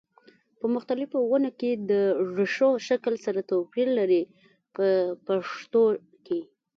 په مختلفو ونو کې د ریښو شکل سره توپیر لري په پښتو کې.